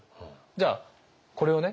じゃあこれをね